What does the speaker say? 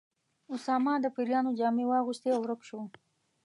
اسامه د پیریانو جامې واغوستې او ورک شو.